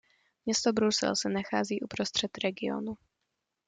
Město Brusel se nachází uprostřed regionu.